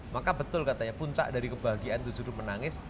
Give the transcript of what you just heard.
maka betul katanya puncak dari kebahagiaan itu justru menangis